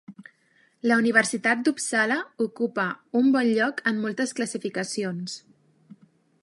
La Universitat d'Uppsala ocupa un bon lloc en moltes classificacions.